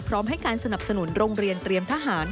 พร้อมให้การสนับสนุนโรงเรียนเตรียมทหาร